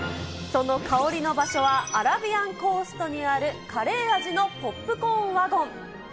その香りの場所は、アラビアンコーストにあるカレー味のポップコーンワゴン。